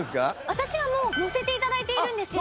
私はもう載せて頂いているんですよ。